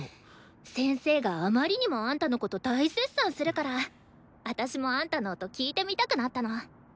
先生があまりにもあんたのこと大絶賛するから私もあんたの音聴いてみたくなったの。